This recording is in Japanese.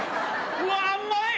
うわっ、甘い！